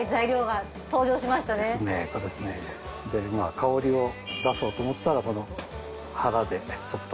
香りを出そうと思ったらこの腹でちょっと。